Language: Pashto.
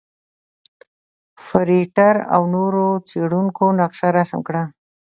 فرېټر او نورو څېړونکو نقشه رسم کړل.